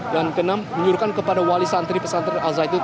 dan yang keenam menyuruhkan kepada wali santri pesantri al zaitun